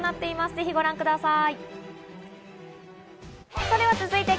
ぜひご覧ください。